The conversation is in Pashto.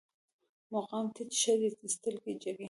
مقام ټيټ ښه دی، سترګې جګې